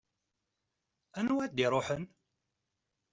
Anwa ad iruḥen?